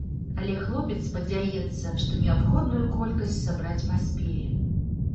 Але хлопец спадзяецца, што неабходную колькасць сабраць паспее.